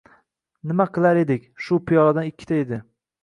Nima qilar edik, shu piyoladan ikkita edi